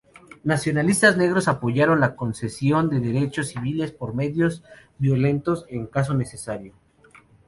Nacionalistas negros apoyaron la consecución de derechos civiles por medios violentos en caso necesario.